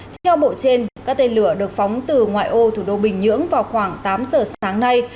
theo bộ trên các tên lửa được phóng từ ngoại ô thủ đô bình nhưỡng vào khoảng tám giờ sáng nay